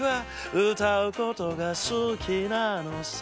「うたうことがすきなのさ」